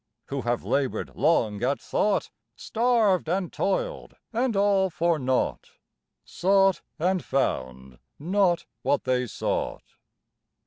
Who have labored long at thought; Starved and toiled and all for naught; Sought and found not what they sought....